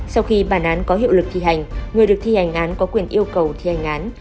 sau khi bản án có hiệu lực thi hành người được thi hành án có quyền yêu cầu thi hành án